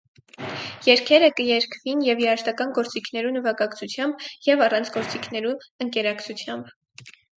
Երգերը կ՛երգուին ե՛ւ երաժշտական գործիքներու նուագակցութեամբ, ե՛ւ առանց գործիքներու ընկերակցութեամբ։